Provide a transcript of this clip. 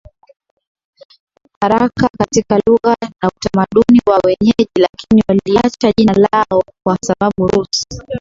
haraka katika lugha na utamaduni wa wenyeji lakini waliacha jina lao kwa sababu Rus